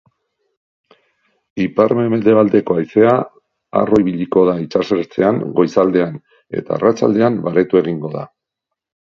Ipar-mendebaldeko haizea harro ibiliko da itsasertzean goizaldean eta arratsaldean baretu egingo da.